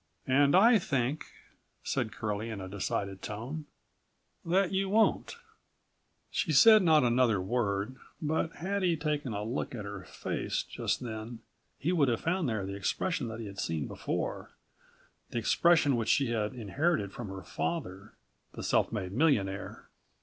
"And I think," said Curlie in a decided tone, "that you won't." She said not another word but had he taken a look at her face just then he would have found there the expression that he had seen there before, the expression which she had inherited from her father, the self made millionaire.